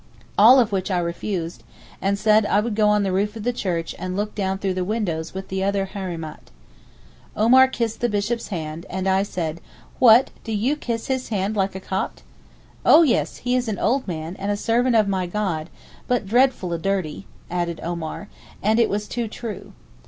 All of which I refused, and said I would go on the roof of the church and look down through the window with the other Hareemat. Omar kissed the bishop's hand, and I said: 'What! do you kiss his hand like a Copt?' 'Oh yes, he is an old man, and a servant of my God, but dreadful dirty,' added Omar; and it was too true.